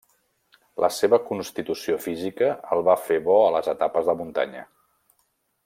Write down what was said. La seva constitució física el va fer bo a les etapes de muntanya.